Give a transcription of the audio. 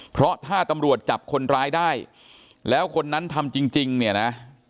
เพราะถ้าตำรวจจับคนร้ายได้แล้วคนนั้นทำจริงเนี่ยนะ